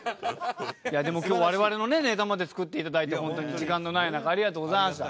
でも今日我々のねネタまで作っていただいて本当に時間のない中ありがとうございました。